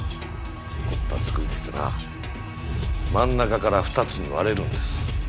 凝った造りでしてな真ん中から２つに割れるんです。